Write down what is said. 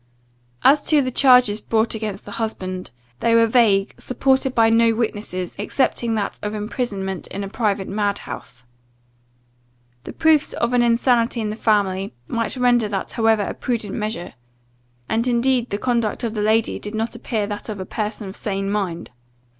As to the charges brought against the husband, they were vague, supported by no witnesses, excepting that of imprisonment in a private madhouse. The proofs of an insanity in the family, might render that however a prudent measure; and indeed the conduct of the lady did not appear that of a person of sane mind.